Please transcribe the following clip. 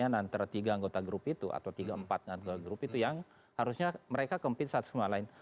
antara tiga anggota grup itu atau tiga empat anggota grup itu yang harusnya mereka kempit satu sama lain